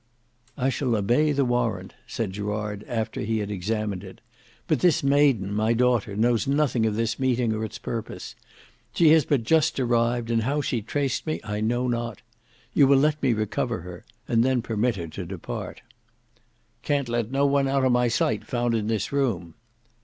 "I shall obey the warrant," said Gerard after he had examined it; "but this maiden, my daughter, knows nothing of this meeting or its purpose. She has but just arrived, and how she traced me I know not. You will let me recover her, and then permit her to depart." "Can't let no one out of my sight found in this room."